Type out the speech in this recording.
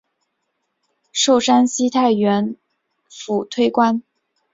授山西太原府推官。